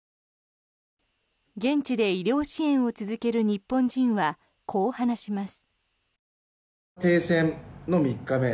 現地で医療支援を続ける日本人はこう話します。